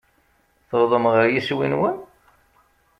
Tewwḍem ɣer yiswi-nwen?